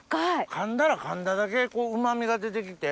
噛んだら噛んだだけうま味が出て来て。